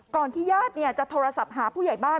ที่ญาติจะโทรศัพท์หาผู้ใหญ่บ้าน